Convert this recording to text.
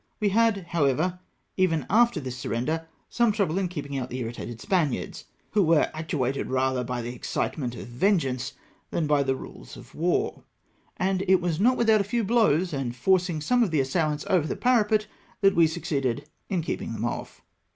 We had, how ever, even after this smTcnder, some trouble in keeping out the irritated Spaniards, who were actuated rather by the excitement of vengeance than by the rules of war ; and it was not without a few blows, and forcing some of the assailants over the parapet, that we suc ceeded in keeping them off.